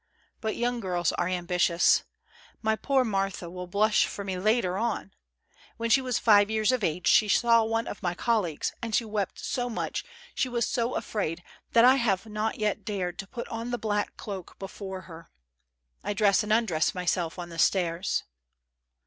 But young girls are ambitious. My poor Marthe will blush for me later on. When she was five years of age, she saw one of my colleagues, and she wept so much, she was so afraid, that I have not yet dared to put on the black cloak before her. I dress and undress myself on the stairs."